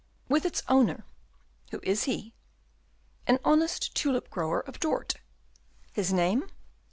"With its owner." "Who is he?" "An honest tulip grower of Dort." "His name?"